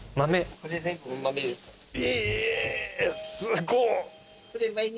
えすごっ！